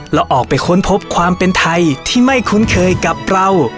แล้วออกไปค้นพบความเป็นไทยที่ไม่คุ้นเคยกับเรา